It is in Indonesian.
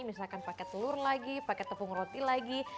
misalkan pakai telur lagi pakai tepung roti lagi